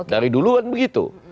dari dulu kan begitu